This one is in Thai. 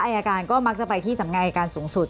อายการก็มักจะไปที่สำงานอายการสูงสุด